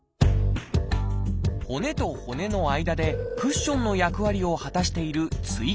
骨と骨の間でクッションの役割を果たしている椎間板。